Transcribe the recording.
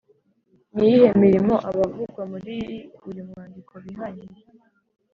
ni iyihe mirimo abavugwa muri uyu mwandiko bihangiye’